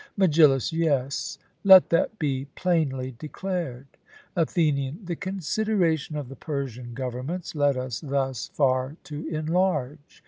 MEGILLUS: Yes; let that be plainly declared. ATHENIAN: The consideration of the Persian governments led us thus far to enlarge.